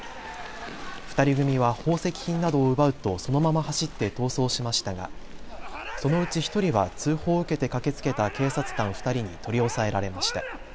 ２人組は宝石品などを奪うとそのまま走って逃走しましたがそのうち１人は通報を受けて駆けつけた警察官２人に取り押さえられました。